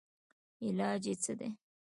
علاج ئې څۀ دے